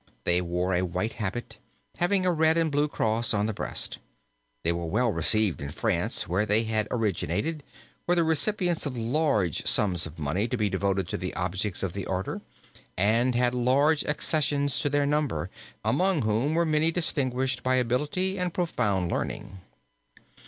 They wore a white habit, having a red and blue cross on the breast. They were well received in France, where they had originated, were the recipients of large sums of money to be devoted to the objects of the order, and had large accessions to their number, among whom were many distinguished by ability and profound learning.